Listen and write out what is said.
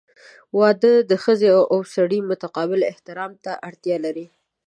• واده د ښځې او سړي متقابل احترام ته اړتیا لري.